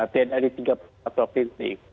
tidak ada tiga provinsi